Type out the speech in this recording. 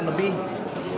yang kelas itu kan